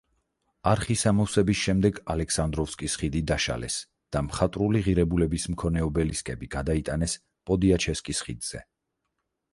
არხის ამოვსების შემდეგ ალექსანდროვსკის ხიდი დაშალეს და მხატვრული ღირებულების მქონე ობელისკები გადაიტანეს პოდიაჩესკის ხიდზე.